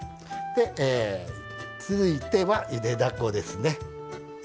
続いては、ゆでだこですね。